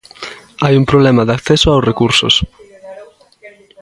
Hai un problema de acceso aos recursos.